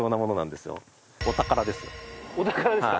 お宝ですか？